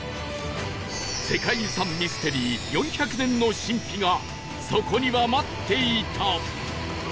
世界遺産ミステリー４００年の神秘がそこには待っていた